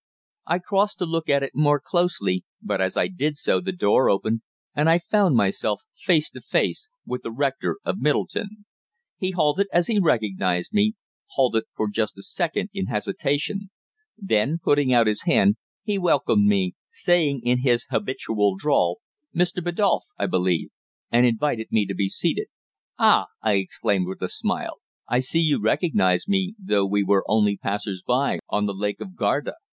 I crossed to look at it more closely, but as I did so the door opened, and I found myself face to face with the rector of Middleton. He halted as he recognized me halted for just a second in hesitation; then, putting out his hand, he welcomed me, saying in his habitual drawl "Mr. Biddulph, I believe?" and invited me to be seated. "Ah!" I exclaimed, with a smile, "I see you recognize me, though we were only passers by on the Lake of Garda!